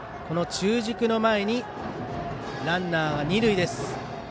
この中軸の前にランナーが二塁です。